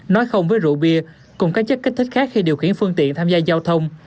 nói không với rượu bia cùng các chất kích thích khác khi điều khiển phương tiện tham gia giao thông